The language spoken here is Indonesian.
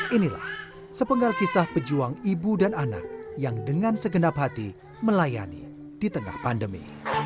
inilah sepenggal kisah pejuang ibu dan anak yang dengan segenap hati melayani di tengah pandemi